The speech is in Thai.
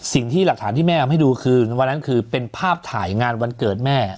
สิ่งที่หลักฐานที่แม่ทำให้ดูคือวันนั้นคือเป็นภาพถ่ายงานวันเกิดแม่